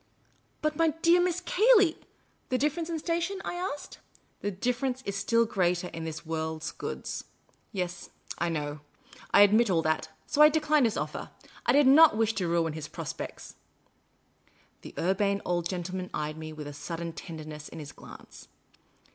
" But, my dear Miss Cayley "" The difference in station ?" I said ;" the difference, still greater, in this world's goods ? Yes, I know. I admit all that. So I declined his oflfer. I did not wish to ruin his prospects. '' The Urbane Old Gentleman eyed me with a sudden tender ness in his glance.